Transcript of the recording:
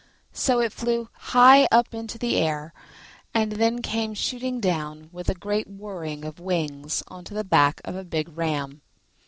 So it flew high up into the air, and then came shooting down with a great whirring of wings on to the back of a big ram.